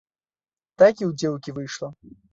Так і ў дзеўкі выйшла.